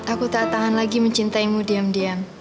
aku tak tahan lagi mencintaimu diam diam